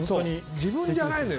自分じゃないのよ。